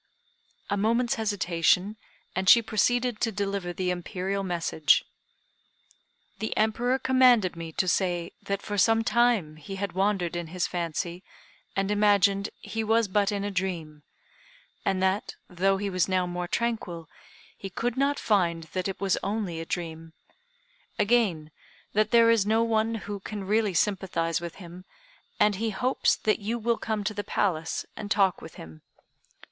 A moment's hesitation, and she proceeded to deliver the Imperial message: "The Emperor commanded me to say that for some time he had wandered in his fancy, and imagined he was but in a dream; and that, though he was now more tranquil, he could not find that it was only a dream. Again, that there is no one who can really sympathize with him; and he hopes that you will come to the Palace, and talk with him.